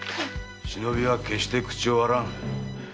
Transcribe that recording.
忍びは決して口を割らん。